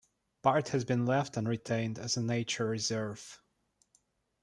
Part has been left and retained as a nature reserve.